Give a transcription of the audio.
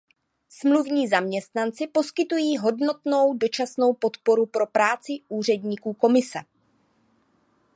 Smluvní zaměstnanci poskytují hodnotnou dočasnou podporu pro práci úředníků Komise.